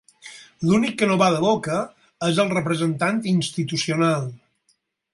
L'únic que no bada boca és el representant institucional.